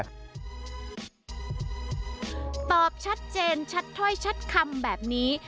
ตอบชัดเจนชัดถ้อยชัดคำแบบนี้